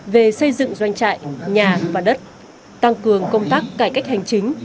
về xây dựng doanh trại nhà và đất tăng cường công tác cải cách hành chính